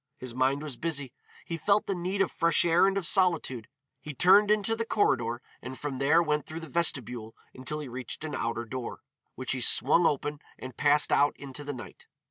His mind was busy. He felt the need of fresh air and of solitude. He turned into the corridor and from there went through the vestibule until he reached an outer door, which he swung open and passed out into the night.